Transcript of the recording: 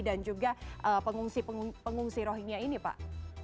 dan juga pengungsi rohingya ini pak